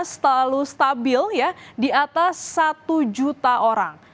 selalu stabil ya di atas satu juta orang